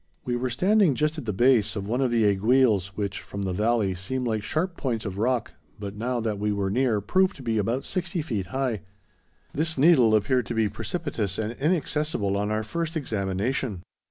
We were standing just at the base of one of the aiguilles which, from the valley, seem like sharp points of rock, but, now that we were near, proved to be about sixty feet high. This needle appeared to be precipitous and inaccessible on our first examination.